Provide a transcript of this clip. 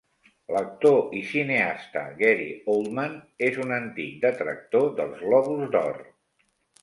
L'actor i cineasta Gary Oldman és un antic detractor dels Globus d'Or.